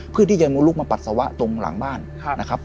เพื่อที่จะลุกมาปัสสาวะตรงหลังบ้านนะครับ